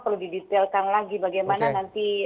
perlu didetailkan lagi bagaimana nanti